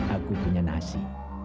aku punya nasi